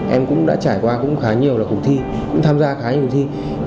em cũng đã trải qua cũng khá nhiều cuộc thi tham gia khá nhiều cuộc thi